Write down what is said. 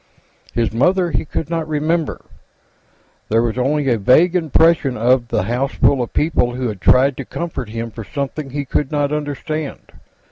His mother he could not remember; there was only a vague impression of the house full of people who had tried to comfort him for something he could not understand.